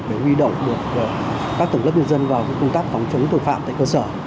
để huy động được các tầng lớp nhân dân vào công tác phòng chống tội phạm tại cơ sở